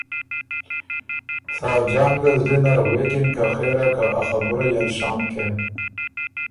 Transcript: ساجان ګه زلی نر غوېکِن که خېرا که ا خبُرئ ال شام کېم